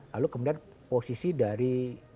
lalu kemudian posisi dari